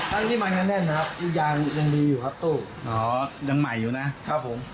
ทั้งที่มันยังแน่นนะครับยางยังดีอยู่ครับตู้อ๋อยังใหม่อยู่นะครับผม